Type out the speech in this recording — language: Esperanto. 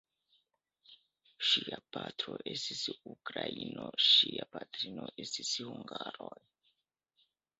Ŝia patro estis ukraino, ŝia patrino estis hungaro.